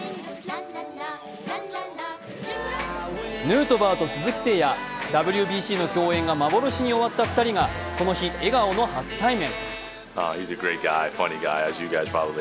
ヌートバーと鈴木誠也、ＷＢＣ共演が幻に終わった２人が、この日、笑顔の初対面。